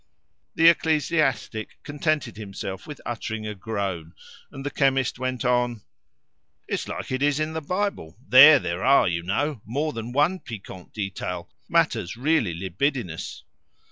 The ecclesiastic contented himself with uttering a groan, and the chemist went on "It's like it is in the Bible; there there are, you know, more than one piquant detail, matters really libidinous!"